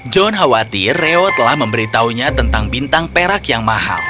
john khawatir reo telah memberitahunya tentang bintang perak yang mahal